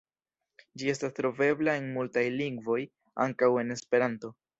Ĝi estas trovebla en multaj lingvoj, ankaŭ en Esperanto.